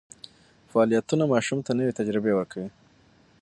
فعالیتونه ماشوم ته نوې تجربې ورکوي.